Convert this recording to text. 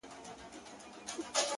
o آس د خرو په ډله کي خر سي.